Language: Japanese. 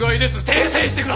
訂正してください！